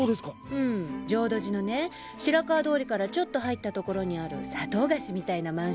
浄土寺のね白川通からちょっと入った所にある砂糖菓子みたいなマンション。